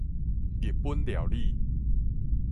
日本料理